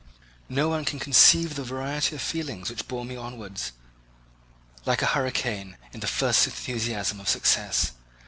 No one can conceive the variety of feelings which bore me onwards, like a hurricane, in the first enthusiasm of success.